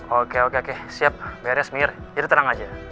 oke oke oke siap beres mir jadi tenang aja